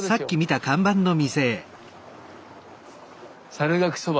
猿楽そば。